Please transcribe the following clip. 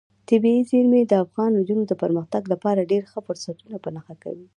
طبیعي زیرمې د افغان نجونو د پرمختګ لپاره ډېر ښه فرصتونه په نښه کوي.